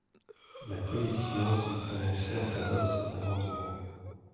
La commission s’est prononcée en faveur de cet amendement.